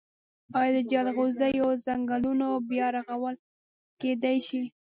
آیا د جلغوزیو ځنګلونه بیا رغول کیدی شي؟